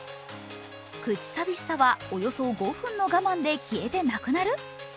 口寂しさは、およそ５分の我慢で消えてなくなる？